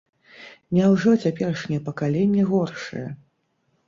Няўжо цяперашняе пакаленне горшае?